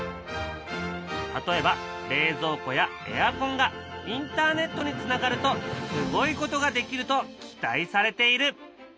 例えば冷蔵庫やエアコンがインターネットにつながるとすごいことができると期待されている。